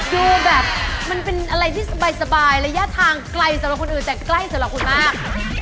ดูแบบมันเป็นอะไรที่สบายระยะทางไกลสำหรับคนอื่นแต่ใกล้สำหรับคุณมาก